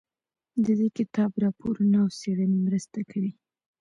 د دې کتاب راپورونه او څېړنې مرسته کوي.